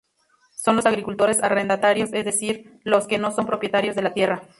Son los agricultores arrendatarios, es decir, los que no son propietarios de la tierra.